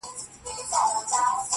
وګړي ډېر سول د نیکه دعا قبوله سوله.!